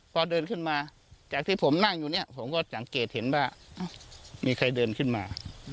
พอเดินขึ้นมาจากที่ผมนั่งอยู่เนี่ยผมก็สังเกตเห็นว่ามีใครเดินขึ้นมา